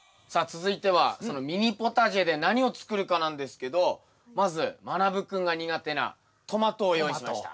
続いてはそのミニポタジェで何を作るかなんですけどまずまなぶ君が苦手なトマトを用意しました。